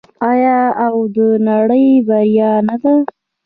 آیا او د نړۍ بریا نه ده؟